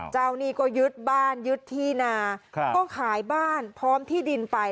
หนี้ก็ยึดบ้านยึดที่นาก็ขายบ้านพร้อมที่ดินไป